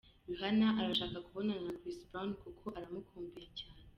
Rihanna arashaka kubonana na Chris Brown kuko aramukumbuye cyane.